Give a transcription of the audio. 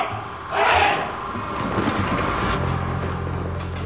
はい！